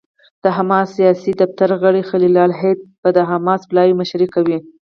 د حماس سیاسي دفتر غړی خلیل الحية به د حماس پلاوي مشري کوي.